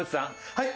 はい。